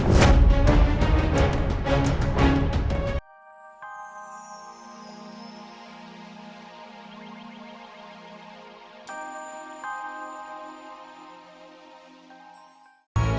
ini sudah berubah